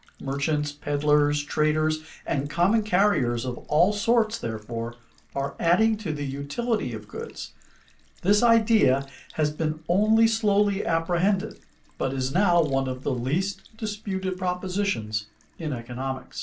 Merchants, peddlers, traders, and common carriers of all sorts, therefore, are adding to the utility of goods. This idea has been only slowly apprehended, but is now one of the least disputed propositions in economics.